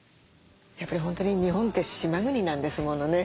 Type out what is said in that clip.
やっぱり本当に日本って島国なんですものね。